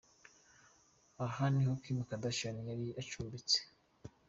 Aha niho Kim Kardashian yari acumbitse.